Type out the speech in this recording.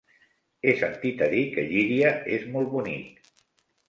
He sentit a dir que Llíria és molt bonic.